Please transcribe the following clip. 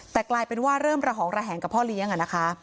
แต่กลายเป็นว่าเริ่มระหองระแหงกับพ่อเลี้ยงนะคะ